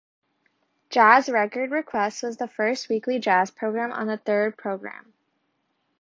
"Jazz Record Requests" was the first weekly jazz programme on the Third Programme.